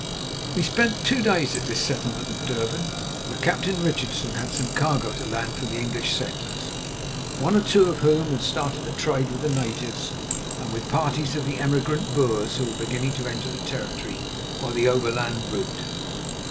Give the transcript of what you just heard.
We spent two days at this settlement of Durban, where Captain Richardson had some cargo to land for the English settlers, one or two of whom had started a trade with the natives and with parties of the emigrant Boers who were beginning to enter the territory by the overland route.